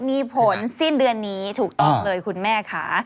มีผลสิ้นเดือนนี้ถูกต้องเลยคุณแม่ค่ะ